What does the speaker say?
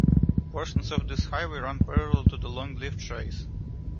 Portions of this highway run parallel to the Longleaf Trace.